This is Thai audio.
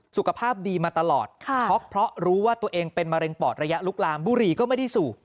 สุขภาพดีมาตลอดช็อกเพราะรู้ว่าตัวเองเป็นมะเร็งปอดระยะลุกลามบุหรี่ก็ไม่ได้สูบ